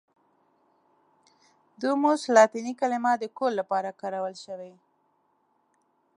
دوموس لاتیني کلمه د کور لپاره کارول شوې.